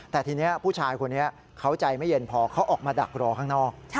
แต่ทีนี้ผู้ชายคนนี้เขาใจไม่เย็นพอเขาออกมาดักรอข้างนอก